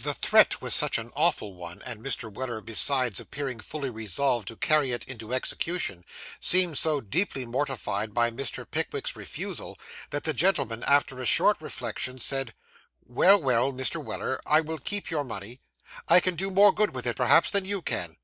This threat was such an awful one, and Mr. Weller, besides appearing fully resolved to carry it into execution, seemed so deeply mortified by Mr. Pickwick's refusal, that that gentleman, after a short reflection, said 'Well, well, Mr. Weller, I will keep your money. I can do more good with it, perhaps, than you can.